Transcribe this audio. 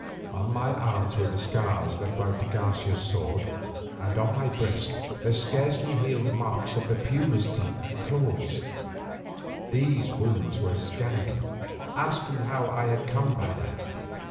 On my arms were the scars left by de Garcia's sword, and on my breast the scarcely healed marks of the puma's teeth and claws. These wounds they scanned, asking how I had come by them.